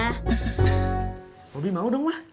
robby mau dong mak